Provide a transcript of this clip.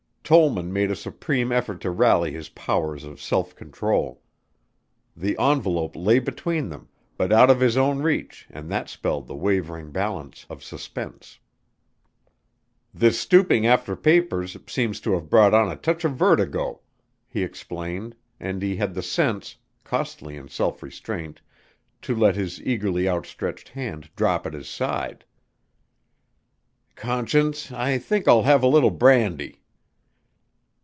Tollman made a supreme effort to rally his powers of self control. The envelope lay between them but out of his own reach and that spelled the wavering balance of suspense. "This stooping after papers seems to have brought on a touch of vertigo," he explained and he had the sense, costly in self restraint, to let his eagerly outstretched hand drop at his side, "Conscience, I think I'll have a little brandy."